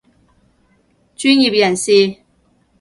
專業人士